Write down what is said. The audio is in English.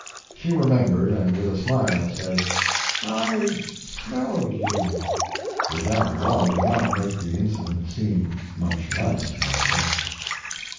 She remembered, and with a smile said: "I smelled you." Which, after all, did not make the incident seem much less marvelous.